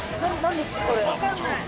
分かんない。